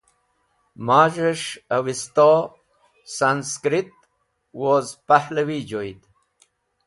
Maz̃hes̃h Avesto, Sanskrit woz Pahlawi joyd.